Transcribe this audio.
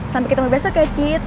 sampai ketemu besok ya cid